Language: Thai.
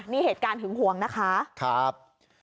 นี่เหตุการณ์หึงหวงนะคะครับ